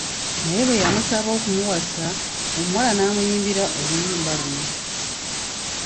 Naye bwe yamusaba okumuwasa, omuwala n'amuyimbira oluyimba luno.